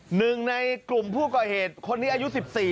หนึ่งในกลุ่มผู้ก่อเหตุคนนี้อายุ๑๔